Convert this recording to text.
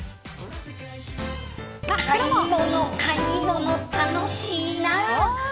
買い物、買い物楽しいな。